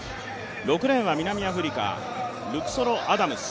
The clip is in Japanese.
６レーンは南アフリカルクソロ・アダムス。